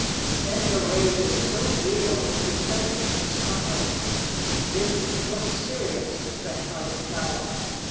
Then her ways were so real ! If she felt it, she smiled ; If she didn't, looked serious — the fresh hearted child